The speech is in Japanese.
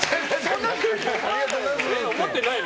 思ってないの？